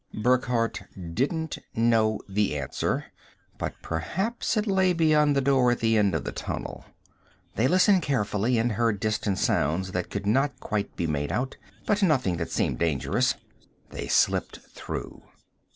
Burckhardt didn't know the answer but perhaps it lay beyond the door at the end of the tunnel. They listened carefully and heard distant sounds that could not quite be made out, but nothing that seemed dangerous. They slipped through.